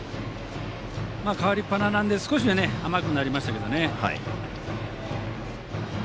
代わりっぱななので少しは甘くなりましたけどね。